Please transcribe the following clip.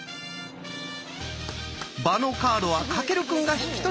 場のカードは翔くんが引き取ります。